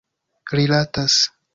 rilatas